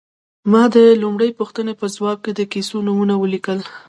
ما د لومړۍ پوښتنې په ځواب کې د کیسو نومونه ولیکل.